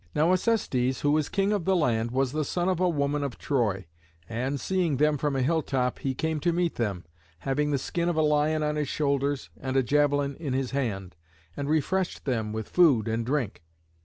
Now Acestes, who was king of the land, was the son of a woman of Troy, and, seeing them from a hilltop, he came to meet them, having the skin of a lion on his shoulders and a javelin in his hand, and refreshed them with food and drink.